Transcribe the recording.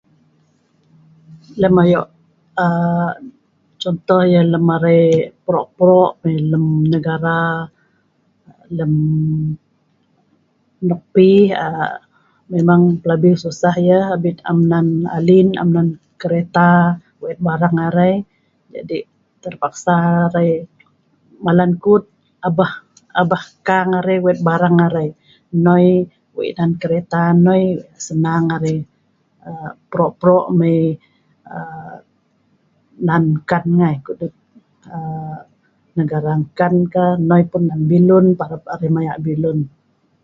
Lem ayo aaa contoh yah lem arai pro' pro' mai lem negara, lem nok pi aaa memang pelabi tosah yah, abin am nan alin, am nan kereta wet barang arai jadi terpaksa arai malan kut abeh abeh kang arai wet barang arai, noi wei' nan kereta noi senang arai aa pro' pro' mai aa nan engkan ngai. Ko'dut aa negara engkankah noi nan bilun parap arai maya bilun.